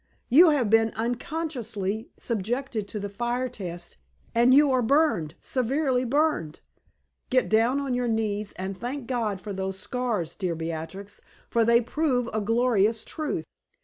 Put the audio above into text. You have been unconsciously subjected to the fire test, and you are burned, severely burned. Get down on your knees, and thank God for those scars, dear Beatrix, for they prove a glorious truth.